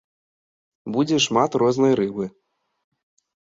Будзе шмат рознай рыбы.